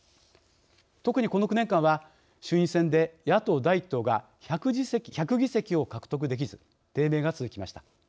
特に、この９年間は衆院選で、野党第１党が１００議席を獲得できず低迷が続きました。